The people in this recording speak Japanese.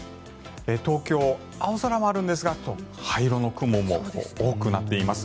東京、青空もあるんですが灰色の雲も多くなっています。